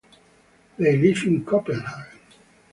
They live in Copenhagen.